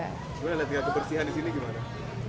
bagaimana nanti kebersihan di sini gimana